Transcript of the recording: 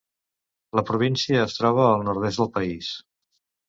La província es troba al nord-est del país.